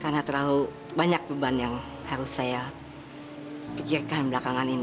karena terlalu banyak beban yang harus saya pikirkan belakangan ini